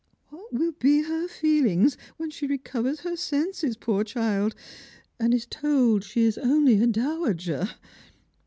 What win be her feelings when she recovers her senses, poor child, and is told she is only a dowager